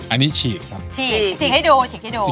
อันนี้ฉีกครับ